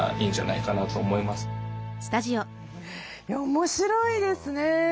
面白いですね。